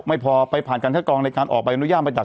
ไม่พอไปผ่านการคัดกรองในการออกใบอนุญาตไปตัด